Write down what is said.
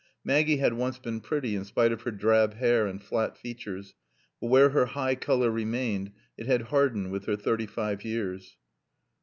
Maggie had once been pretty in spite of her drab hair and flat features, but where her high color remained it had hardened with her thirty five years.